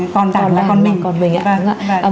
còn đảng và còn mình